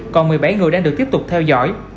còn một mươi bảy người đang được tiếp tục theo dõi